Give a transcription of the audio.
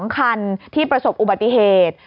๒คันที่ประสบอุบัติเหตุ